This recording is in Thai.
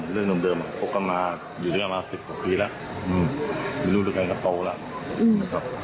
ลุดกันกับโตแล้วนะครับ